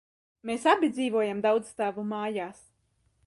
Mēs abi dzīvojām daudzstāvu mājās.